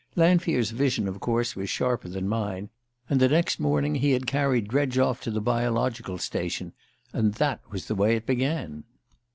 Lanfear's vision, of course, was sharper than mine; and the next morning he had carried Dredge off to the Biological Station. And that was the way it began.